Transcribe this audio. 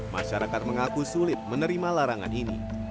masyarakat mengaku sulit menerima larangan ini